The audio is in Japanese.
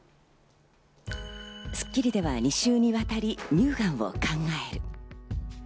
『スッキリ』では２週にわたり乳がんを考える。